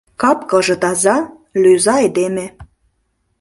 Кап-кылже таза, лӧза айдеме.